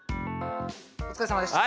おつかれさまでした。